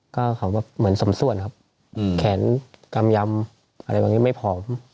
ก็เขาก็เหมือนสมส่วนครับแขนกำยำอะไรแบบนี้ไม่ผอม